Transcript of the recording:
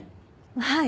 はい。